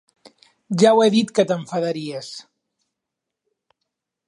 Ja ho he dit que t'enfadaries.